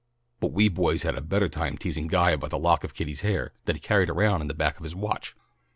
"But we boys had a better time teasing Guy about the lock of Kitty's hair that he carried around in the back of his watch.